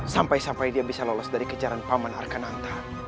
sampai sampai dia bisa lolos dari kejaran paman arkananta